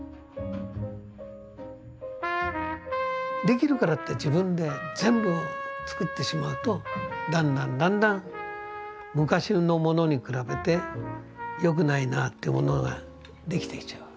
できるからって自分で全部作ってしまうとだんだんだんだん昔のものに比べて良くないなってものができてきちゃう。